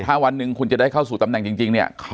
ถ้าวันหนึ่งคุณจะได้เข้าสู่ตำแหน่งจริงเนี่ย